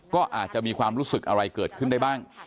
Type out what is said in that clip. ก็อาจจะมีความรู้สึกอะไรเกิดขึ้นได้บ้าง